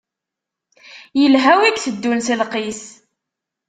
Ilha wi iteddun s lqis.